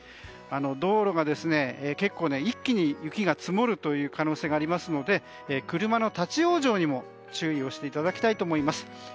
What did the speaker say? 道路に一気に雪が積もる可能性がありますので車の立ち往生にも注意をしていただきたいと思います。